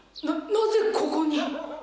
なぜここに？